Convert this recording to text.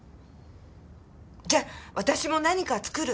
じゃあ私も何か作る！